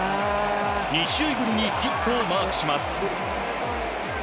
２試合ぶりにヒットをマークします。